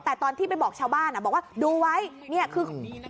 แต่ตอนที่ไปบอกชาวบ้านบอกว่าดูไว้เนี่ยคือ